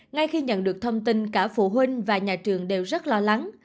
ngay khi nhận được thông tin cả phụ huynh và nhà trường đều rất lo lắng